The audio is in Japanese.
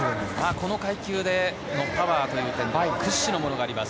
この階級でのパワーは屈指のものがあります